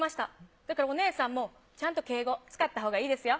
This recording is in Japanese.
だから、お姉さんも、ちゃんと敬語、使ったほうがいいですよ。